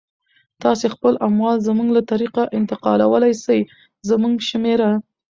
تاسو خپل اموال زموږ له طریقه انتقالولای سی، زموږ شمیره